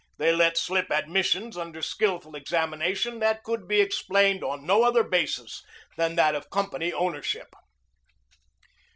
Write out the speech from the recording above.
They let slip admissions under skillful examination that could be explained on no other basis than that of company ownership.